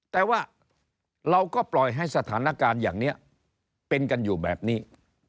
แต่ว่าเราก็ปล่อยให้สถานการณ์อย่างนี้เป็นกันอยู่แบบนี้